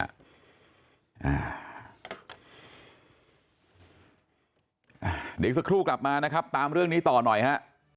เดี๋ยวอีกสักครู่กลับมานะครับตามเรื่องนี้ต่อหน่อยฮะ